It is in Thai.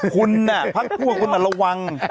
คุณเด้อพักทางมาระวัง